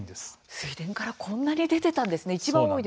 水田からこんなに出ていたんですね。